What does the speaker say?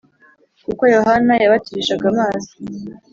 kuko Yohana yabatirishaga amazi